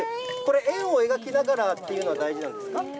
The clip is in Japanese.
円を描きながらというのが大事なんですか？